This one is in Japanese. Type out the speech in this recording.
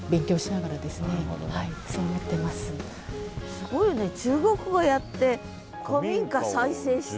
すごいよね中国語やって古民家再生して。